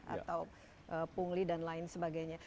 atau pungli dan lain sebagainya